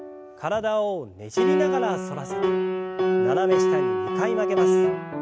体をねじりながら反らせて斜め下に２回曲げます。